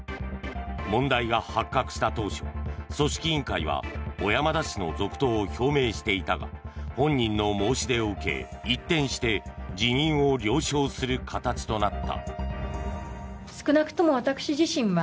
問題が発覚した当初組織委員会は小山田氏の続投を表明していたが本人の申し出を受け、一転して辞任を了承する形となった。